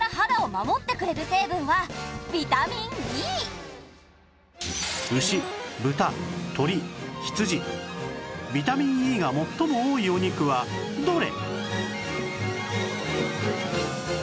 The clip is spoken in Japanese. ただ実は牛豚鶏羊ビタミン Ｅ が最も多いお肉はどれ？